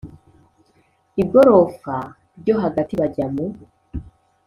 igorofa ryo hagati bajya mu